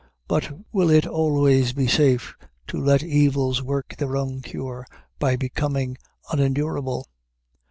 But will it always be safe to let evils work their own cure by becoming unendurable?